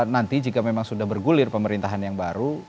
nanti jika memang sudah bergulir pemerintahan yang baru